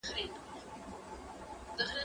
زه به سبا ليکلي پاڼي ترتيب کړم!؟